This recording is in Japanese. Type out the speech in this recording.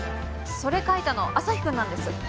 それ描いたのアサヒくんなんです。